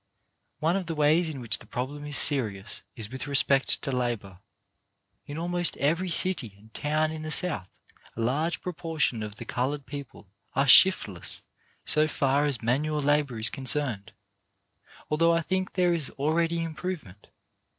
One of the ways in which the problem is serious is with respect to labour. In almost every city and town in the South a large proportion of the coloured people are shiftless so far as manual labour is concerned, although I think there is already improvement.